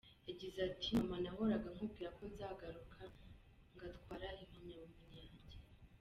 Yagize ati “Mama nahoraga nkubwira ko nzagaruka ngatwara impamyabumenyi yanjye”.